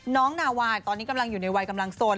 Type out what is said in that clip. นาวายตอนนี้กำลังอยู่ในวัยกำลังสน